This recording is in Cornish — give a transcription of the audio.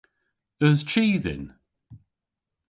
Eus chi dhyn?